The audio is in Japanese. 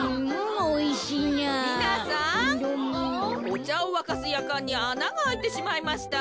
おちゃをわかすやかんにあながあいてしまいました。